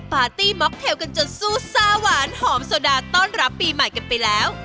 ปาร์ตี้ม็อกเทลกันจนสู้ซ่าหวานหอมโซดาต้อนรับปีใหม่กันไปแล้ว